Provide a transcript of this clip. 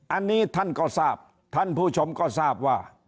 อันนี้ท่านก็ทราบท่านผู้ชมก็ทราบว่า